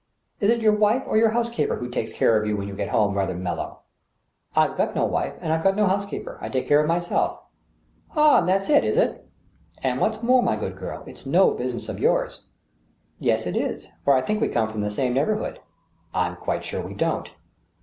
*' Is it your wife or your housekeeper who takes care of you when you get home rather mellow f*' " I've got no wife and I've got no housekeeper. I take care of myself.". " AH, that's it, is it ?"" And what's more, my good girl, it's no business of yours !" "Yes, it is, for I think we come from the same neighbor hood." ." I'm quite sure we don't."